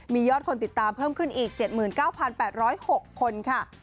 มียอดคนติดตามเพิ่มขึ้นอีก๗๙๘๐๖คนค่ะ